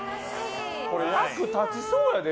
役立ちそうやで。